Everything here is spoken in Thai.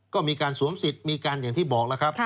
ก็มีการสวมสิทธิ์มีการอย่างที่บอกแล้วครับ